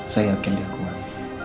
saya yakin dia kuat